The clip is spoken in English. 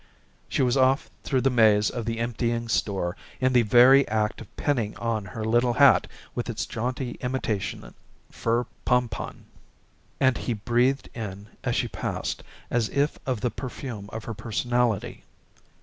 She was off through the maze of the emptying store, in the very act of pinning on her little hat with its jaunty imitation fur pompon, and he breathed in as she passed, as if of the perfume of her personality.